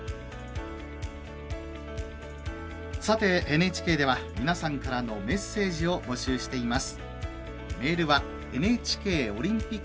ＮＨＫでは、皆さんからのメッセージを募集しています。